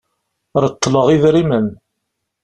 Reṭṭleɣ idrimen.